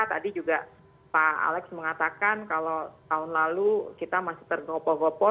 tadi juga pak alex mengatakan kalau tahun lalu kita masih ternopo gopoh